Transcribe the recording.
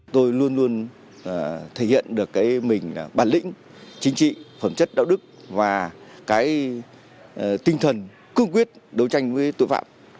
tôi luôn luôn thể hiện được cái mình là bản lĩnh chính trị phẩm chất đạo đức và cái tinh thần cương quyết đấu tranh với tội phạm